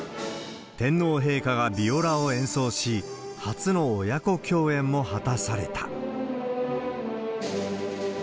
天皇陛下がビオラを演奏し、初の親子共演も果たされた。